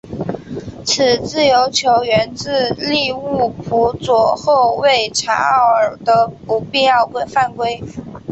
此自由球源自利物浦左后卫查奥尔的不必要犯规。